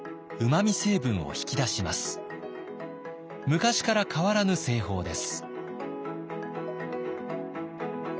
昔から変わらぬ製法です。